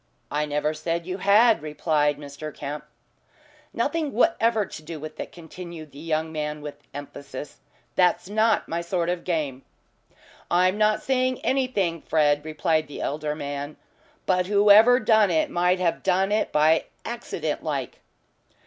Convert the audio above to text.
"I never said you had," replied Mr. Kemp. "Nothing whatever to do with it," continued the young man with emphasis. "That's not my sort of game." "I'm not saying anything, Fred," replied the elder man. "But whoever done it might have done it by accident like."